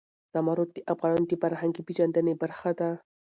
زمرد د افغانانو د فرهنګي پیژندنې برخه ده.